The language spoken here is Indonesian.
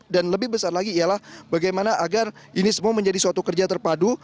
dan lebih besar lagi ialah bagaimana agar ini semua menjadi suatu kerja terpadu